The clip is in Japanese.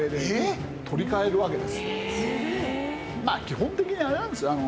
基本的にあれなんですよ。